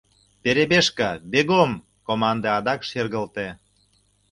— Перебежка, бегом! — команде адак шергылте...